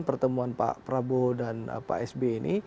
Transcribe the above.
pertemuan pak prabowo dan pak s b ini